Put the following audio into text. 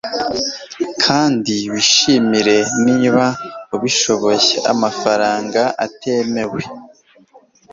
Kandi wishimire niba ubishoboye amafaranga atemewe